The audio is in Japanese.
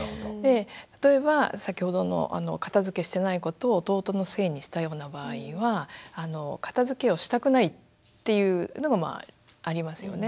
例えば先ほどの片づけしてないことを弟のせいにしたような場合は片づけをしたくないっていうのがまあありますよね。